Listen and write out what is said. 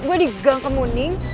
gue di gang kemuning